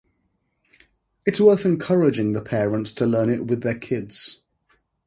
It's worth encouraging the parents to learn it with their kids.